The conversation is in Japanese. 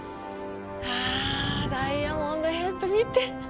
あぁ、ダイヤモンドヘッド、見て！